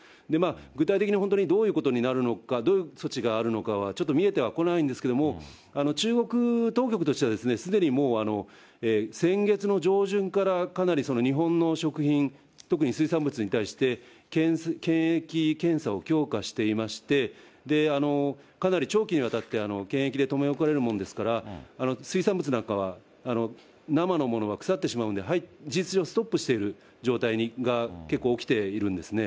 具体的に本当にどういうことになるのか、どういう措置があるのかは、ちょっと見えてはこないですけれども、中国当局としては、すでにもう、先月の上旬から、かなり日本の食品、特に水産物に対して、検疫検査を強化していまして、かなり長期にわたって検疫で留め置かれるものですから、水産物なんかは、生のものは腐ってしまうんで、事実上、ストップしている状態が結構起きているんですね。